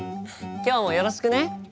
今日もよろしくね。